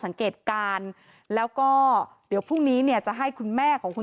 สังเกตการณ์แล้วก็เดี๋ยวพรุ่งนี้เนี่ยจะให้คุณแม่ของคุณ